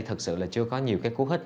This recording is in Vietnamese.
thật sự là chưa có nhiều cái cú hích